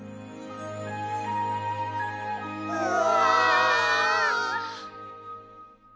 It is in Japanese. うわ！